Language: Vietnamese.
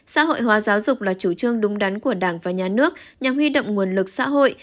xã hội hóa giáo dục là chủ trương đúng đắn của đảng và nhà nước nhằm huy động nguồn lực xã hội